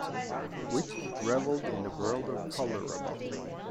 Vic reveled in the world of color about her.